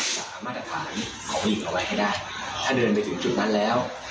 สามารถมาตรฐานของลิงเอาไว้ให้ได้ถ้าเดินไปถึงจุดนั้นแล้ว